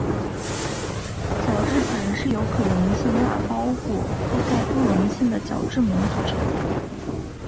角质层是由可溶性蜡包裹覆盖不溶性的角质膜组成。